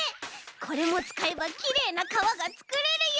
これもつかえばきれいなかわがつくれるよ！